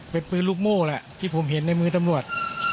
เป็นปืนลูกโม่แหละที่ผมเห็นในมือตำรวจ